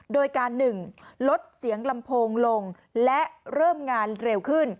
โดยการ๑ลดเสียงลำโพงลงและเริ่มงานเร็วขึ้น